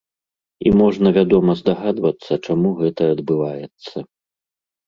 І можна, вядома, здагадвацца, чаму гэта адбываецца.